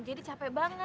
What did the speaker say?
jadi capek banget